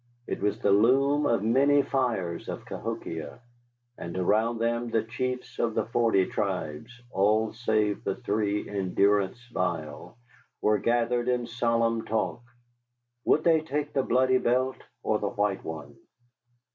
It was the loom of many fires at Cahokia, and around them the chiefs of the forty tribes all save the three in durance vile were gathered in solemn talk. Would they take the bloody belt or the white one?